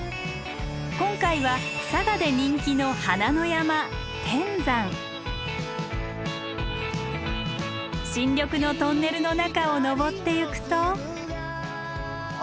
今回は佐賀で人気の花の山新緑のトンネルの中を登ってゆくと。